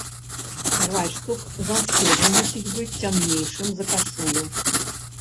Гальштук заўсёды мусіць быць цямнейшым за кашулю.